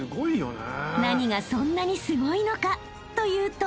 ［何がそんなにすごいのかというと］